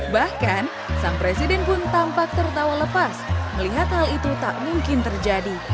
bahkan sang presiden pun tampak tertawa lepas melihat hal itu tak mungkin terjadi